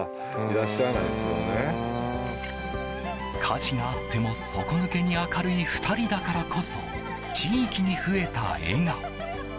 火事があっても底抜けに明るい２人だからこそ地域に増えた笑顔。